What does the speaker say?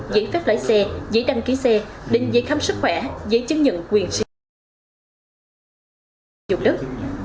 giấy phép lái xe giấy đăng ký xe đến giấy khám sức khỏe giấy chứng nhận quyền sử dụng đất